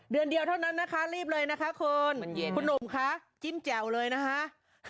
เดือนเดียวเท่านั้นนะคะรีบเลยนะคะคุณคุณหนุ่มคะจิ้มแจ่วเลยนะคะ